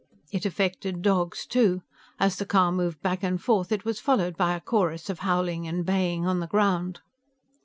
It affected dogs too; as the car moved back and forth, it was followed by a chorus of howling and baying on the ground.